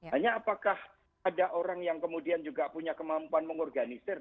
hanya apakah ada orang yang kemudian juga punya kemampuan mengorganisir